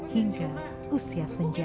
hingga usia senja